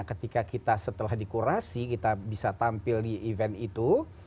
ketika kita setelah di kurasi kita bisa tampil di event itu